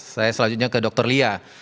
saya selanjutnya ke dr lia